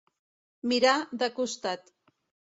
Mirar de costat.